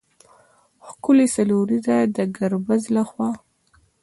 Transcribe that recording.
ښکې څلوريزه د ګربز له خوا